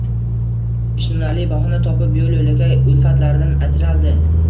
Ishonarli bahona topib, yo‘l-yo‘lakay ulfatlaridan ajraldi